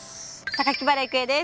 原郁恵です。